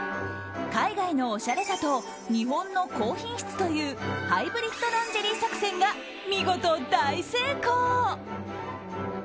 海外のおしゃれさと日本の高品質というハイブリッドランジェリー作戦が見事大成功。